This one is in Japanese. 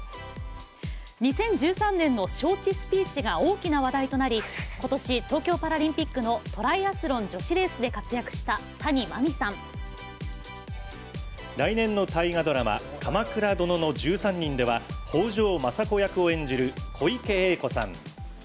２０１３年の招致スピーチが大きな話題となり今年、東京パラリンピックのトライアスロン女子レースで来年の大河ドラマ「鎌倉殿の１３人」では北条政子役を演じる小池栄子さん。